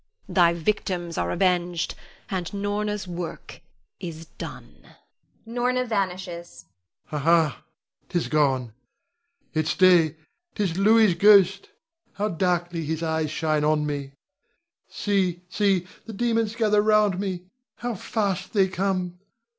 Thy victims are avenged, and Norna's work is done. [Norna vanishes. Rod. Ha! ha! 'tis gone, yet stay, 'tis Louis' ghost! How darkly his eyes shine on me! See, see, the demons gather round me! How fast they come!